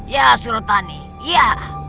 ya suratani ya